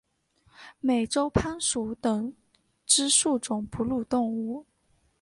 美洲攀鼠属等之数种哺乳动物。